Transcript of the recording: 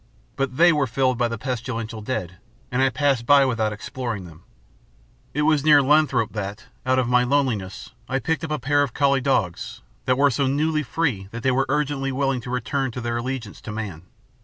But they were filled by the pestilential dead, and I passed by without exploring them. It was near Lathrop that, out of my loneliness, I picked up a pair of collie dogs that were so newly free that they were urgently willing to return to their allegiance to man.